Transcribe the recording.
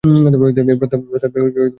প্রস্তাবটি লন্ডন থেকে এসেছে।